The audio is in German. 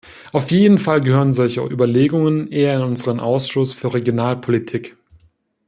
Auf jeden Fall gehören solche Überlegungen eher in unseren Ausschuss für Regionalpolitik.